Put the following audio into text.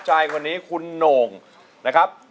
ใจคนนี้คุณโหน่งนะครับ